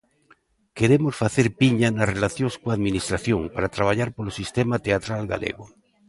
Queremos facer piña nas relacións coa administración para traballar polo sistema teatral galego.